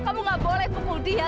kamu gak boleh pukul dia